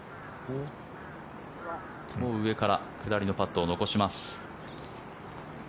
上から下りのパットを残します。